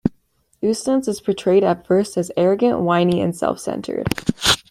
Eustace is portrayed at first as arrogant, whiny, and self-centred.